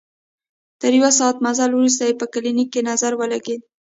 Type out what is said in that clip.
تر يو ساعت مزله وروسته يې په کلينيک نظر ولګېد.